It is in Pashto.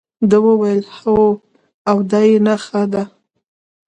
ده وویل هو او دا یې نخښه ده.